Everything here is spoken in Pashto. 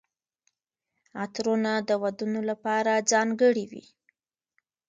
عطرونه د ودونو لپاره ځانګړي وي.